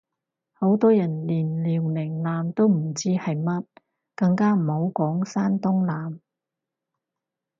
好多人連遼寧艦都唔知係乜，更加唔好講山東艦